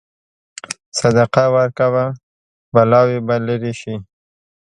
صدقه ورکوه، بلاوې به لرې شي.